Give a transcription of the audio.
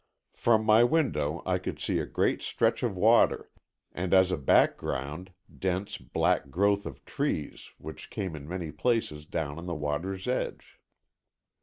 From my window I could see a great stretch of water, and as a background, dense black growth of trees, which came in many places down to the water's edge.